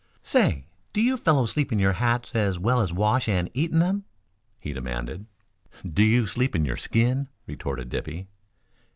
"Say, do you fellows sleep in your hats as well as wash and eat in them?" he demanded. "Do you sleep in your skin?" retorted Dippy.